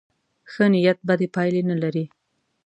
ښه نیت بدې پایلې نه لري.